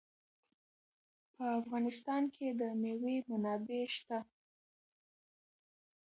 په افغانستان کې د مېوې منابع شته.